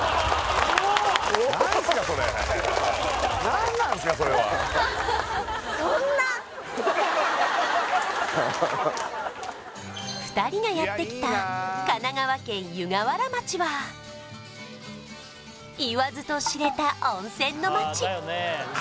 何何２人がやってきた神奈川県・湯河原町は言わずと知れた温泉の町